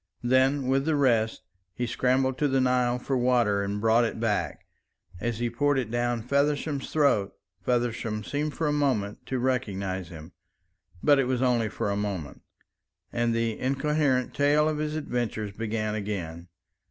Then with the rest he scrambled to the Nile for water and brought it back. As he poured it down Feversham's throat, Feversham seemed for a moment to recognise him. But it was only for a moment, and the incoherent tale of his adventures began again.